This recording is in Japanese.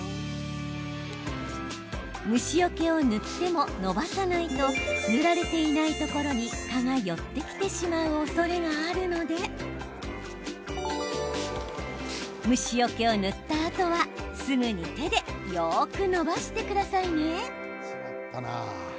虫よけを塗ってものばさないと塗られていないところに蚊が寄ってきてしまうおそれがあるので虫よけを塗ったあとは、すぐに手でよくのばしてくださいね。